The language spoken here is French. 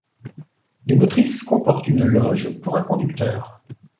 Les motrices comportent une loge pour un conducteur.